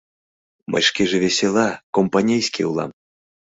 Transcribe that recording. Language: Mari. — Мый шкеже весела, компанейский улам.